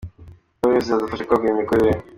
byombi buzafasha kwagura imikorere.